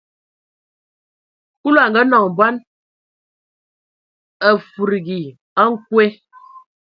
Kulu a ngaanɔŋ bɔn, a fudigi a nkwe.